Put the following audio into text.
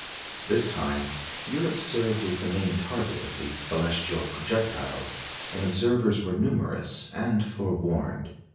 This time, Europe served as the main target of the celestial projectiles, and observers were numerous and forewarned.